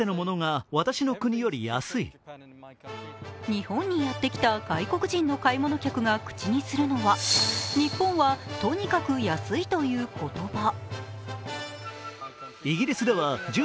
日本にやってきた外国人の買い物客が口にするのは、「ニッポンはとにかく安い」という言葉。